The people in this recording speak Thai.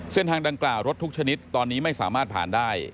เส้นทางดังกล่าวรถทุกชนิดตอนนี้ไม่สามารถผ่านได้